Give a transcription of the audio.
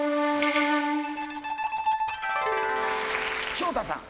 昇太さん。